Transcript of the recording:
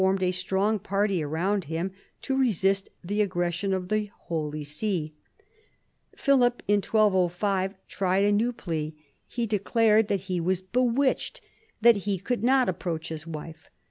med a strong party around him to resist the aggression of the Holy See. Philip in 1205 tried a new plea. He declared that he was bewitched — that he could not approach his wife.